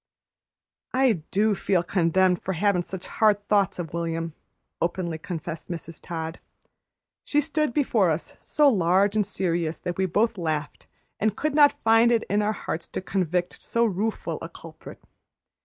"I do feel condemned for havin' such hard thoughts o' William," openly confessed Mrs. Todd. She stood before us so large and serious that we both laughed and could not find it in our hearts to convict so rueful a culprit.